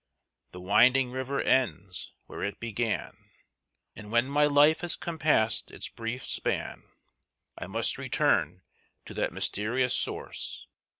The winding river ends where it began; And when my life has compassed its brief span I must return to that mysterious source.